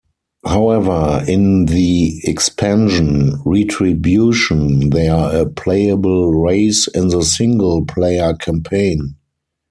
However, in the expansion "Retribution", they are a playable race in the single-player Campaign.